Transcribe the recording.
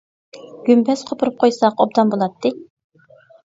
گۈمبەز قوپۇرۇپ قويساق ئوبدان بولاتتى.